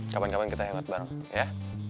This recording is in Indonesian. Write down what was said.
kapan kapan kita hemat bareng ya